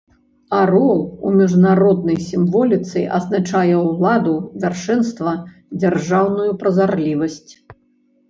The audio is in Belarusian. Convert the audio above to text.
Арол у міжнароднай сімволіцы азначае ўладу, вяршэнства, дзяржаўную празарлівасць.